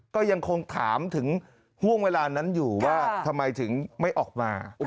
ก็ยังคงถามถึงห่วงเวลานั้นอยู่ว่าทำไมถึงไม่ออกมา